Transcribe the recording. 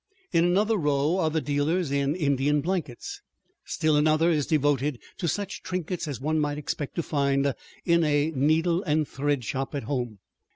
In another row are the dealers in Indian blankets; still another is devoted to such trinkets as one might expect to find in a "needle and thread" shop at home.